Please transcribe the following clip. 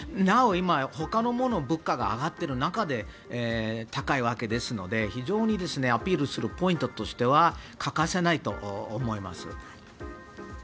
なお今、ほかのものの物価が上がっている中で高いわけですので、非常にアピールするポイントとしては欠かせないと思います。